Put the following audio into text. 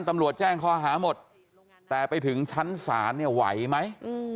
ตำรวจแจ้งข้อหาหมดแต่ไปถึงชั้นศาลเนี่ยไหวไหม